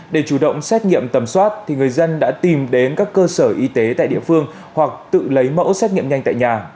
để chủ động xét nghiệm tầm soát thì người dân đã tìm đến các cơ sở y tế tại địa phương hoặc tự lấy mẫu xét nghiệm nhanh tại nhà